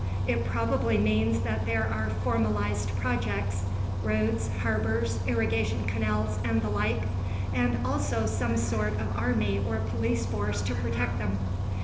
It probably means that there are formalized projects roads, harbors, irrigation canals, and the like and also some sort of army or police force to protect them.